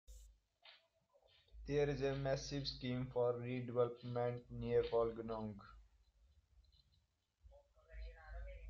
There is a massive scheme for redevelopment near Wollongong.